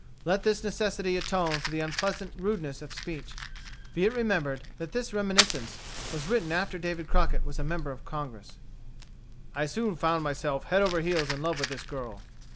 Let this necessity atone for the unpleasant rudeness of speech. Be it remembered that this reminiscence was written after David Crockett was a member of Congress. "I soon found myself head over heels in love with this girl.